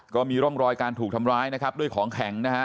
ก็มีร่องรอยการถูกทำร้ายนะครับด้วยของแข็งนะฮะ